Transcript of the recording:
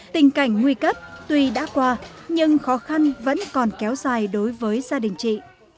tình cảnh nguy cấp tuy đã qua nhưng khó khăn vẫn còn kéo dài đối với gia đình chị